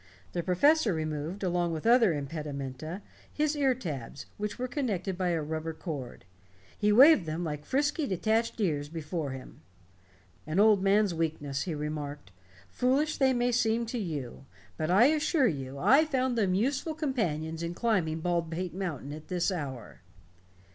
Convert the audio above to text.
The professor removed, along with other impedimenta, his ear tabs, which were connected by a rubber cord. He waved them like frisky detached ears before him. "An old man's weakness," he remarked. "Foolish, they may seem to you. But I assure you I found them useful companions in climbing Baldpate Mountain at this hour."